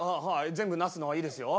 全部出すのはいいですよ。